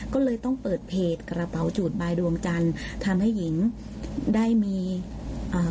ก็เลยต้องเปิดเพจกระเป๋าจูดบายดวงจันทร์ทำให้หญิงได้มีอ่า